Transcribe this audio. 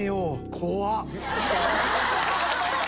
怖っ。